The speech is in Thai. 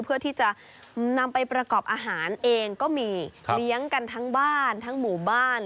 เพื่อที่จะนำไปประกอบอาหารเองก็มีเลี้ยงกันทั้งบ้านทั้งหมู่บ้าน